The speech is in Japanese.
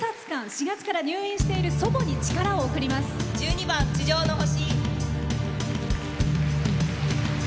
４月から入院している祖母に１２番「地上の星」。